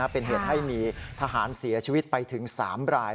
เป็นเหตุให้มีทหารเสียชีวิตไปถึง๓ราย